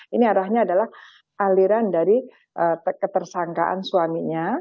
ini arahnya adalah aliran dari ketersangkaan suaminya